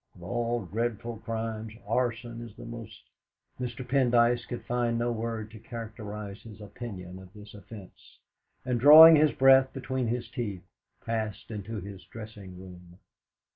Of all dreadful crimes, arson is the most " Mr. Pendyce could find no word to characterise his opinion of this offence, and drawing his breath between his teeth, passed into his dressing room.